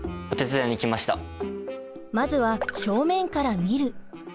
まずは正面から見る。